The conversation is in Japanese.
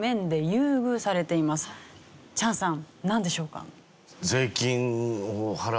チャンさんなんでしょうか？